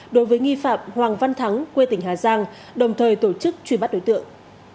đối với nghi phạm hoàng văn thắng quê tỉnh hà giang đồng thời tổ chức truy bắt đối tượng